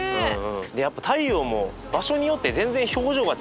でやっぱ太陽も場所によって全然表情が違うなと思ったね。